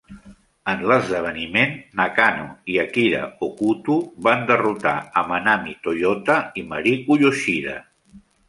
En l'esdeveniment, Nakano i Akira Hokuto van derrotar a Manami Toyota i Mariko Yoshida.